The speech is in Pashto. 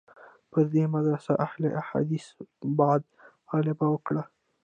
پر دې مدرسې اهل حدیثي بعد غلبه وکړه.